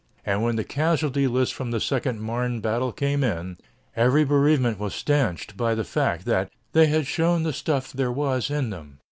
And when the casualty lists from the second Marne battle came in, every bereavement was stanched by the fact that "they had shown the stuff there was in them."